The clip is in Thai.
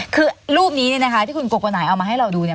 คือรูปนี้นะคะที่คุณกกวนไหนเอามาให้เราดูเนี่ย